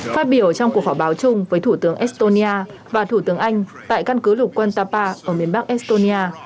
phát biểu trong cuộc họp báo chung với thủ tướng estonia và thủ tướng anh tại căn cứ lục quân tapa ở miền bắc estonia